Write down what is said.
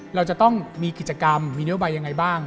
เราจะต้องมีกิจกรรมมีนโยบายยังไงบ้าง